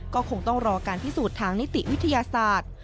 ก็คงต้องรอการพิสูจน์ทางนิติวิทยาศาสตร์